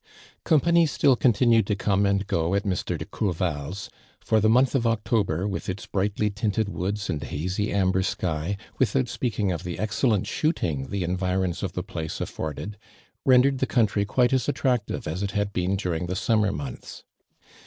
Company still continued to come and goat Mr. deCourval's ; for the month of October, with its brightly tinted woods and hazy amber sky, without speaking of the excel 10 ARMAND DURAND. lent shooting the environs of the place af foided, rendere(l the country quite fts attrac tive (18 it had been during the summer months.